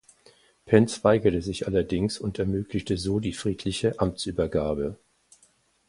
Pence weigerte sich allerdings und ermöglichte so die friedliche Amtsübergabe.